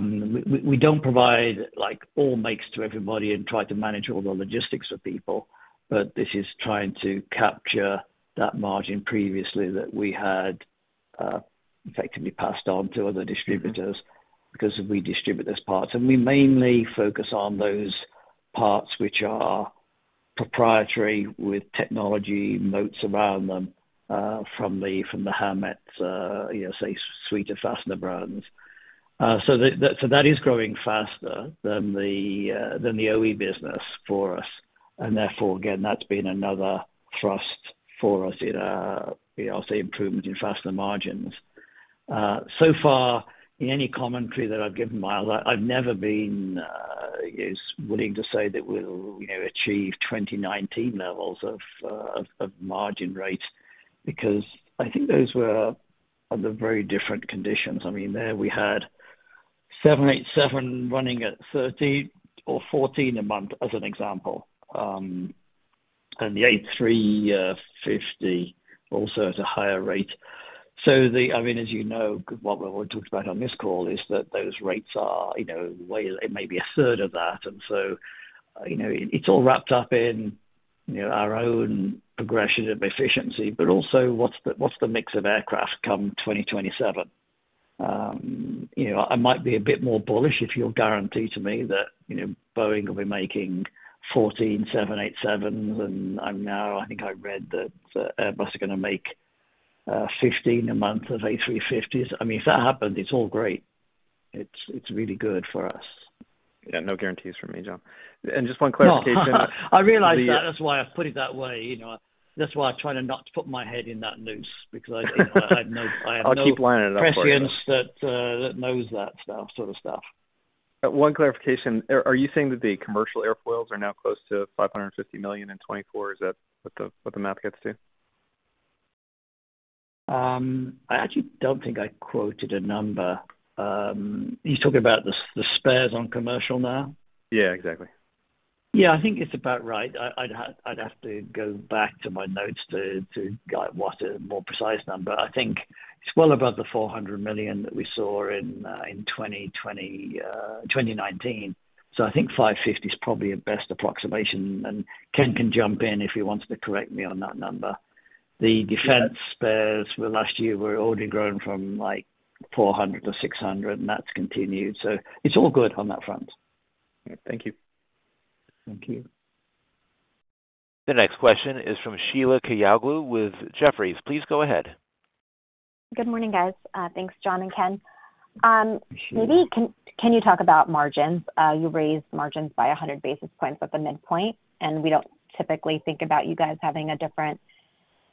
C: We don't provide like all makes to everybody and try to manage all the logistics of people, but this is trying to capture that margin previously that we had effectively passed on to other distributors because we distribute those parts. We mainly focus on those parts which are proprietary with technology moats around them from the Howmet, you know, suite of fastener brands. So that is growing faster than the OE business for us, and therefore, again, that's been another thrust for us in, you know, I'll say, improvement in fastener margins. So far, in any commentary that I've given, Miles, I've never been as willing to say that we'll, you know, achieve 2019 levels of margin rates, because I think those were under very different conditions. I mean, there we had 787 running at 13 or 14 a month, as an example, and the A350 also at a higher rate. So, I mean, as you know, what we're talking about on this call is that those rates are, you know, way, it may be a third of that. So, you know, it's all wrapped up in, you know, our own progression of efficiency, but also what's the, what's the mix of aircraft come 2027? You know, I might be a bit more bullish if you guarantee to me that, you know, Boeing will be making 14 787s, and now, I think I read that Airbus are gonna make 15 a month of A350s. I mean, if that happens, it's all great. It's really good for us.
J: Yeah, no guarantees from me, John. Just one clarification-
C: No, I realize that. That's why I've put it that way, you know. That's why I try to not to put my head in that noose, because I have no-
J: I'll keep lining it up for you.
C: prescience that knows that stuff, sort of stuff.
J: One clarification. Are you saying that the commercial airfoils are now close to $550 million in 2024? Is that what the math gets to?
C: I actually don't think I quoted a number. Are you talking about the spares on commercial now?
J: Yeah, exactly.
C: Yeah, I think it's about right. I'd have to go back to my notes to guide what a more precise number. I think it's well above the $400 million that we saw in 2019. So I think $550 million is probably a best approximation, and Ken can jump in if he wants to correct me on that number. The defense spares for last year were already grown from like $400 million-$600 million, and that's continued. So it's all good on that front.
J: Thank you.
C: Thank you.
A: The next question is from Sheila Kahyaoglu with Jefferies. Please go ahead.
K: Good morning, guys. Thanks, John and Ken. Maybe can you talk about margins? You raised margins by 100 basis points at the midpoint, and we don't typically think about you guys having a different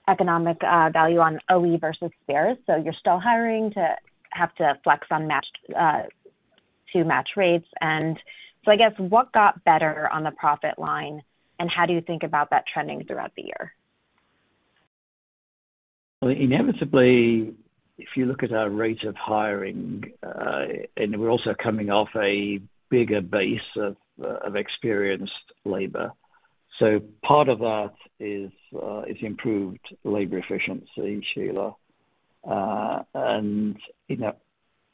K: economic value on OE versus spares. So you're still hiring to have to flex on matched to match rates, and so I guess, what got better on the profit line, and how do you think about that trending throughout the year?
C: Well, inevitably, if you look at our rate of hiring, and we're also coming off a bigger base of, of experienced labor, so part of that is, is improved labor efficiency, Sheila. And, you know,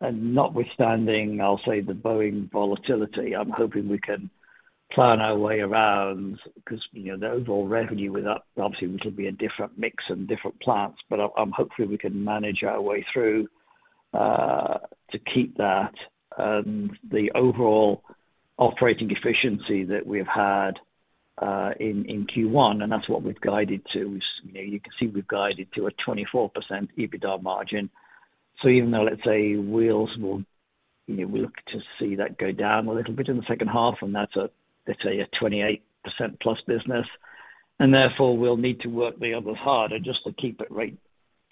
C: and notwithstanding, I'll say, the Boeing volatility, I'm hoping we can plan our way around because, you know, the overall revenue with that, obviously, which will be a different mix and different plans, but I, I'm hopefully we can manage our way through, to keep that. And the overall operating efficiency that we've had, in, in Q1, and that's what we've guided to, is, you know, you can see we've guided to a 24% EBITDA margin. So even though, let's say, wheels will, you know, we look to see that go down a little bit in the second half, and that's a, let's say, a 28%+ business, and therefore we'll need to work the others harder just to keep it right,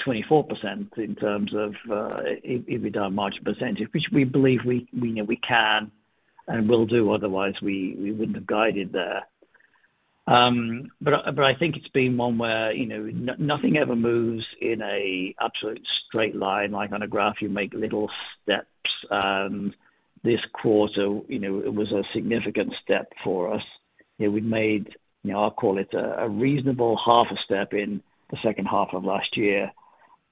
C: 24% in terms of EBITDA margin percentage, which we believe we, we know we can and will do, otherwise we, we wouldn't have guided there. But I, but I think it's been one where, you know, nothing ever moves in an absolute straight line. Like on a graph, you make little steps. This quarter, you know, it was a significant step for us. You know, we made, you know, I'll call it a, a reasonable half a step in the second half of last year....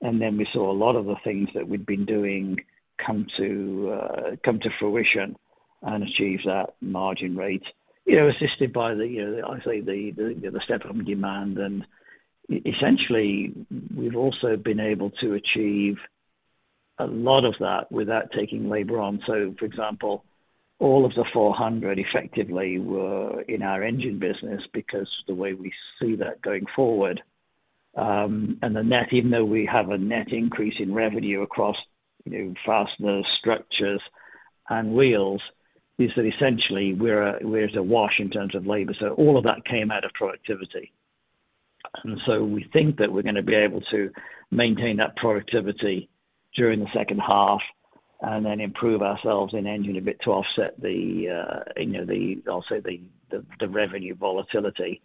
C: and then we saw a lot of the things that we'd been doing come to fruition and achieve that margin rate. You know, assisted by the, you know, I'd say, the step-up in demand, and essentially, we've also been able to achieve a lot of that without taking labor on. So for example, all of the 400 effectively were in our engine business because the way we see that going forward, and the net, even though we have a net increase in revenue across, you know, fasteners, structures, and wheels, is that essentially we're at a wash in terms of labor, so all of that came out of productivity. We think that we're gonna be able to maintain that productivity during the second half, and then improve ourselves in engine a bit to offset the, you know, the revenue volatility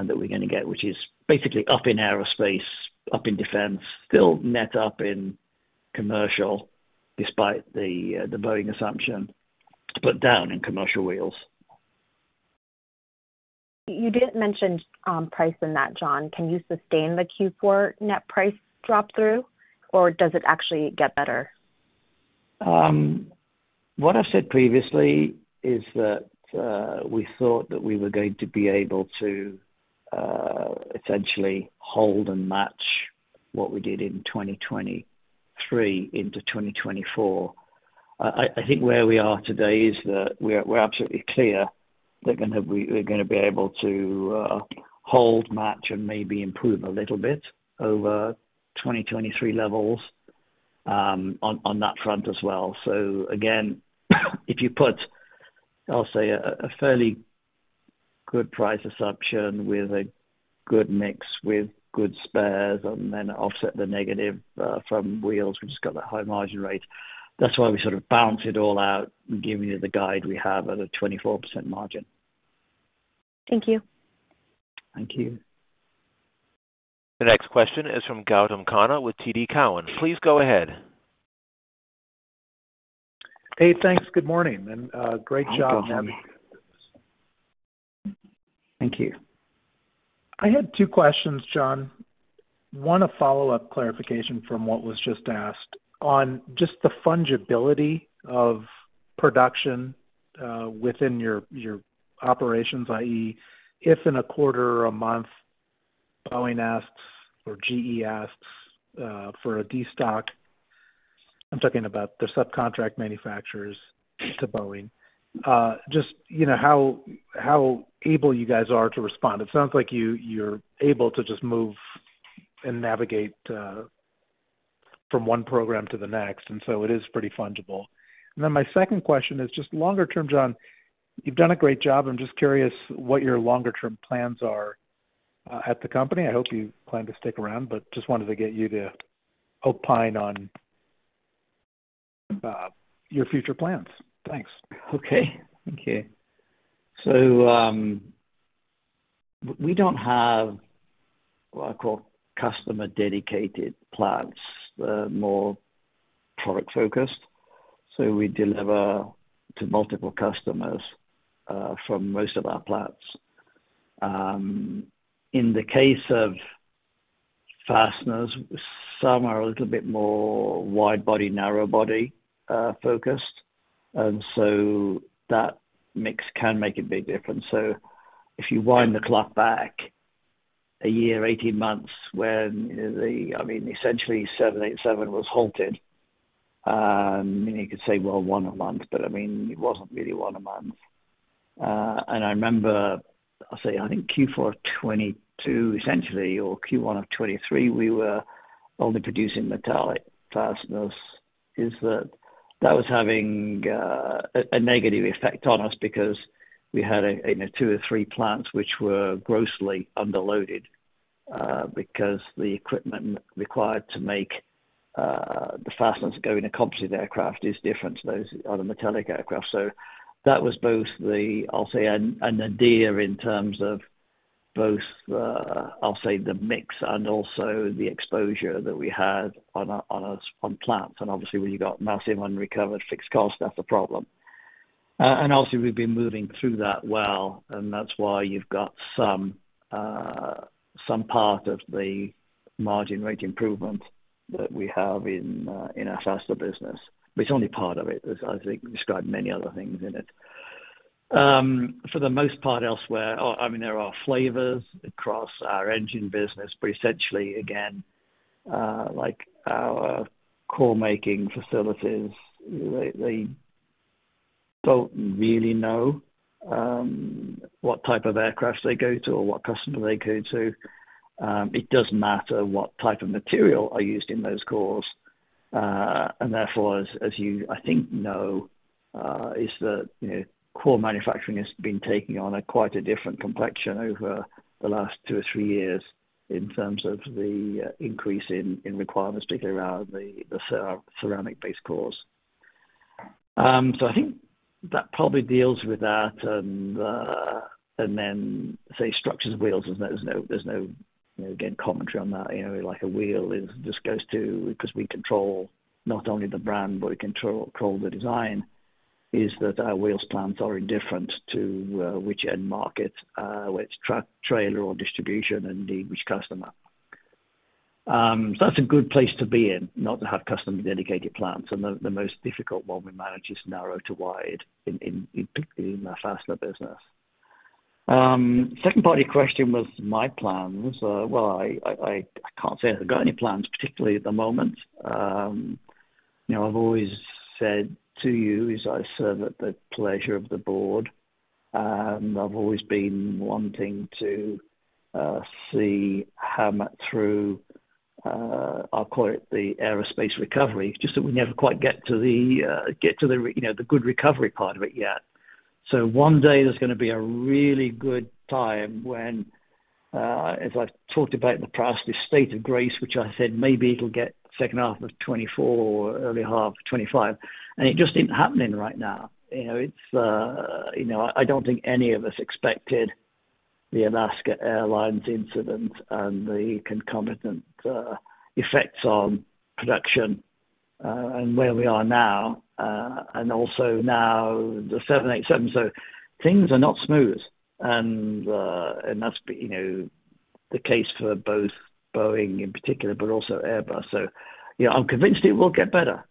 C: that we're gonna get, which is basically up in aerospace, up in defense, still net up in commercial despite the Boeing assumption, but down in commercial wheels.
K: You didn't mention price in that, John. Can you sustain the Q4 net price drop through, or does it actually get better?
C: What I said previously is that we thought that we were going to be able to essentially hold and match what we did in 2023 into 2024. I think where we are today is that we're absolutely clear that gonna... We're gonna be able to hold match and maybe improve a little bit over 2023 levels on that front as well. So again, if you put, I'll say, a fairly good price assumption with a good mix, with good spares, and then offset the negative from wheels, we've just got that high margin rate. That's why we sort of balance it all out, giving you the guide we have at a 24% margin.
K: Thank you.
C: Thank you.
A: The next question is from Gautam Khanna with TD Cowen. Please go ahead.
L: Hey, thanks. Good morning, and great job.
C: Thank you.
L: I had two questions, John. One, a follow-up clarification from what was just asked. On just the fungibility of production, within your operations, i.e., if in a quarter or a month, Boeing asks or GE asks for a destock, I'm talking about the subcontract manufacturers to Boeing, just, you know, how able you guys are to respond. It sounds like you're able to just move and navigate from one program to the next, and so it is pretty fungible. And then my second question is just longer term, John, you've done a great job. I'm just curious what your longer term plans are at the company. I hope you plan to stick around, but just wanted to get you to opine on your future plans. Thanks.
C: Okay. Thank you. So, we don't have what I call customer-dedicated plants. They're more product focused, so we deliver to multiple customers from most of our plants. In the case of fasteners, some are a little bit more wide body, narrow body focused, and so that mix can make a big difference. So if you wind the clock back a year, 18 months, when the... I mean, essentially, 787 was halted. You could say, well, 1 a month, but I mean, it wasn't really 1 a month. And I remember, I'll say, I think Q4 of 2022, essentially, or Q1 of 2023, we were only producing metallic fasteners. That was having a negative effect on us because we had, you know, 2 or 3 plants which were grossly underloaded because the equipment required to make the fasteners go in a composite aircraft is different to those on a metallic aircraft. So that was both, I'll say, an issue in terms of both the mix and also the exposure that we had on plants. And obviously, when you've got massive unrecovered fixed costs, that's a problem. And obviously, we've been moving through that well, and that's why you've got some part of the margin rate improvement that we have in our fastener business. But it's only part of it, as I described many other things in it. For the most part, elsewhere, I mean, there are flavors across our engine business, but essentially, again, like our core making facilities, they, they don't really know what type of aircraft they go to or what customer they go to. It does matter what type of material are used in those cores. And therefore, as you, I think, know, is that, you know, core manufacturing has been taking on a quite a different complexion over the last two or three years in terms of the increase in requirements, particularly around the ceramic-based cores. So I think that probably deals with that. And then, say, structures, wheels, there's no, there's no, you know, again, commentary on that. You know, like a wheel is, just goes to... 'Cause we control not only the brand, but we control, control the design.... is that our wheels plants are indifferent to, which end market, which truck, trailer, or distribution, and indeed, which customer. That's a good place to be in, not to have customer-dedicated plants. And the most difficult one we manage is narrow to wide in our Fastener business. Second part of your question was my plans. Well, I can't say I've got any plans, particularly at the moment. You know, I've always said to you, is I serve at the pleasure of the board. I've always been wanting to see Howmet through, I'll call it the aerospace recovery, just that we never quite get to the, you know, the good recovery part of it yet. So one day, there's gonna be a really good time when, as I've talked about in the past, the state of grace, which I said maybe it'll get second half of 2024 or early half 2025, and it just isn't happening right now. You know, it's... You know, I don't think any of us expected the Alaska Airlines incident and the concomitant effects on production, and where we are now, and also now the 787. So things are not smooth. And that's been, you know, the case for both Boeing in particular, but also Airbus. So, you know, I'm convinced it will get better.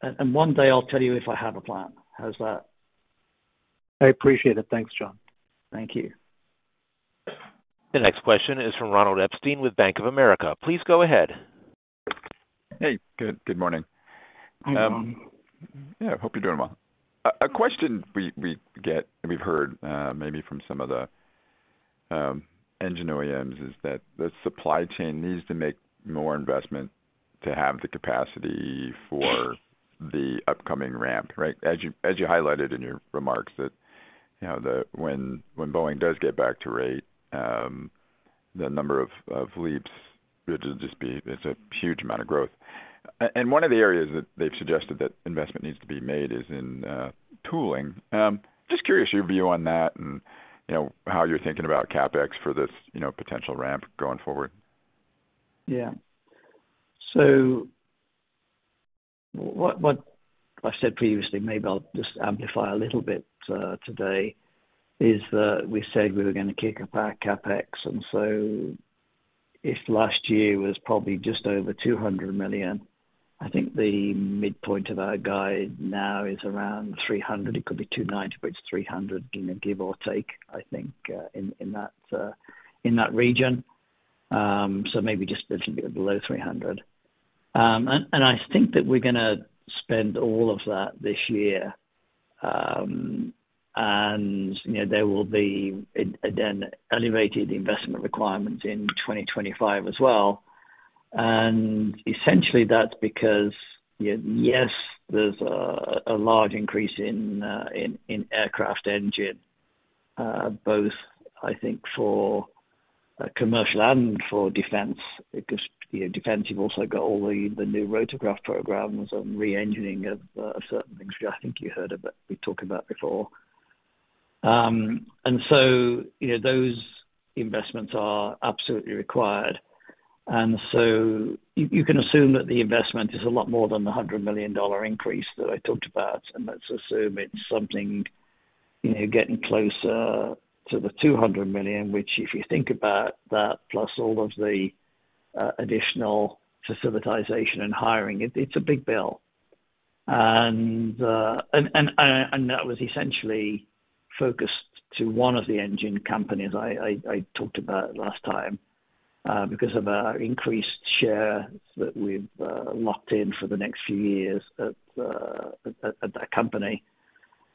C: And one day I'll tell you if I have a plan. How's that?
L: I appreciate it. Thanks, John.
C: Thank you.
A: The next question is from Ronald Epstein with Bank of America. Please go ahead.
M: Hey, good, good morning.
C: Hi, Ronald.
M: Yeah, hope you're doing well. A question we get, and we've heard, maybe from some of the engine OEMs, is that the supply chain needs to make more investment to have the capacity for the upcoming ramp, right? As you highlighted in your remarks, you know, when Boeing does get back to rate, the number of LEAPs, it'll just be, it's a huge amount of growth. And one of the areas that they've suggested that investment needs to be made is in tooling. Just curious, your view on that and, you know, how you're thinking about CapEx for this, you know, potential ramp going forward.
C: Yeah. So what, what I said previously, maybe I'll just amplify a little bit today, is that we said we were gonna kick back CapEx, and so if last year was probably just over $200 million, I think the midpoint of our guide now is around $300 million, it could be $290 million, but it's $300 million, you know, give or take, I think, in that region. So maybe just a little bit below $300 million. And I think that we're gonna spend all of that this year. And you know, there will be, again, elevated investment requirements in 2025 as well. And essentially, that's because there's a large increase in aircraft engine both, I think for commercial and for defense. Because, you know, defense, you've also got all the, the new rotorcraft programs and re-engineering of certain things, which I think you heard about, we talked about before. And so, you know, those investments are absolutely required. And so you can assume that the investment is a lot more than the $100 million increase that I talked about, and let's assume it's something, you know, getting closer to the $200 million, which, if you think about that, plus all of the additional facilitization and hiring, it's a big bill. And that was essentially focused to one of the engine companies I talked about last time, because of our increased share that we've locked in for the next few years at that company.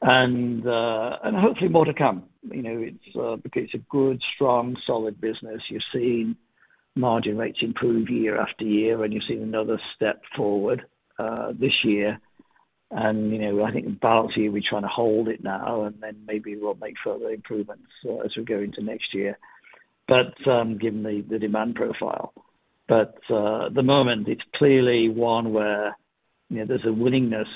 C: And hopefully more to come. You know, it's because it's a good, strong, solid business. You're seeing margin rates improve year after year, and you're seeing another step forward this year. And, you know, I think about it, we're trying to hold it now, and then maybe we'll make further improvements as we go into next year. But given the demand profile. But at the moment, it's clearly one where, you know, there's a willingness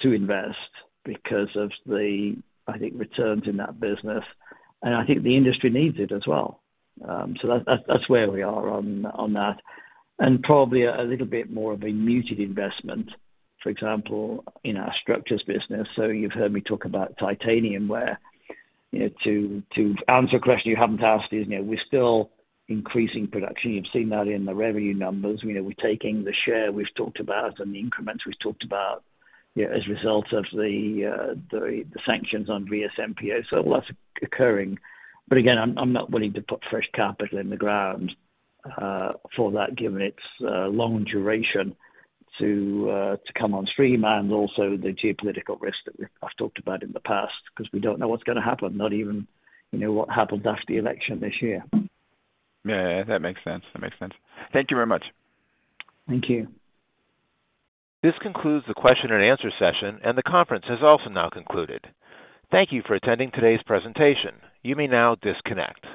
C: to invest because of the, I think, returns in that business, and I think the industry needs it as well. So that, that's where we are on that. And probably a little bit more of a muted investment, for example, in our structures business. So you've heard me talk about titanium, where, you know, to answer a question you haven't asked is, you know, we're still increasing production. You've seen that in the revenue numbers. You know, we're taking the share we've talked about and the increments we've talked about, you know, as a result of the sanctions on VSMPO. So all that's occurring, but again, I'm not willing to put fresh capital in the ground for that, given its long duration to come on stream, and also the geopolitical risk that I've talked about in the past, because we don't know what's gonna happen, not even, you know, what happens after the election this year.
M: Yeah, that makes sense. That makes sense. Thank you very much.
C: Thank you.
A: This concludes the question and answer session, and the conference has also now concluded. Thank you for attending today's presentation. You may now disconnect.